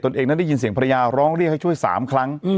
เองนั้นได้ยินเสียงภรรยาร้องเรียกให้ช่วย๓ครั้ง